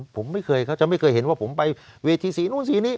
ผมไม่เคยเขาจะไม่เคยเห็นว่าผมไปเวทีสีนู้นสีนี้